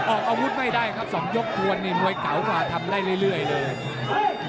ออกอาวุธไม่ได้ครับ๒ยกควรนี่มวยเก่ากว่าทำได้เรื่อยเลย